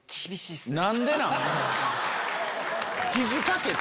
何でなん？